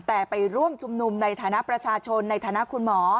แต่ไปร่วมชุมนุมในฐานะประชาชนในฐานะคุณหมอ